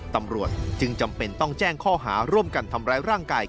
ตำรวจจึงจำเป็นต้องแจ้งข้อหาร่วมกันทำร้ายร่างกาย